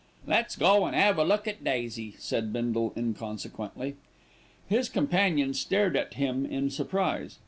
"Let's go an' 'ave a look at Daisy," said Bindle inconsequently. His companions stared at him in surprise.